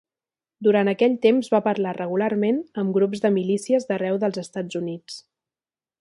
Durant aquell temps va parlar regularment amb grups de milícies d'arreu dels Estats Units.